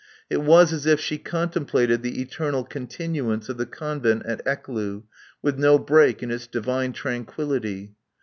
It was as if she contemplated the eternal continuance of the Convent at Ecloo with no break in its divine tranquillity.